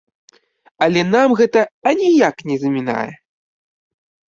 Але нам гэта аніяк не замінае!